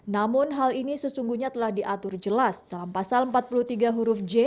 namun hal ini sesungguhnya telah diatur jelas dalam pasal empat puluh tiga huruf j